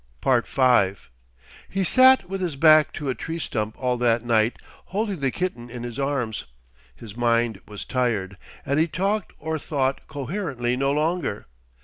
5 He sat with his back to a tree stump all that night, holding the kitten in his arms. His mind was tired, and he talked or thought coherently no longer.